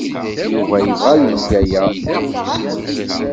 Yuba yebɣa ad yeg aya.